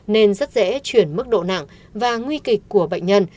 nên rất dễ chuyển mức độ nặng và nguy kịch của bệnh nhân